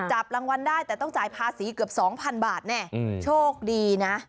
จับรางวัลได้แต่ต้องจ่ายภาษีเกือบสองพันบาทแน่โชคดีนะ